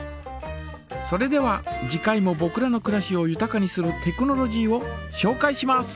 それでは次回もぼくらのくらしをゆたかにするテクノロジーをしょうかいします。